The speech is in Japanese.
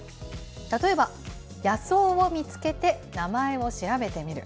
例えば、野草を見つけて、名前を調べてみる。